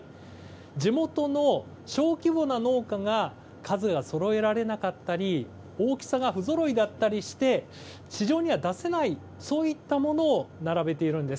地元の小規模な農家が数がそろえられなかったり大きさが不ぞろいだったりして市場には出せない、そういったものを並べているんです。